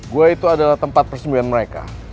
gua itu adalah tempat persembuhan mereka